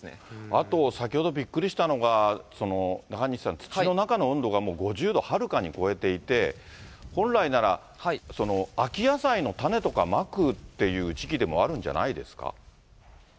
あと、先ほどびっくりしたのが、中西さん、土の中の温度が、もう５０度はるかに超えていて、本来なら、秋野菜の種とかまくっていう時期でもあるんじゃないですか？